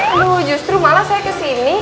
aduh justru malah saya kesini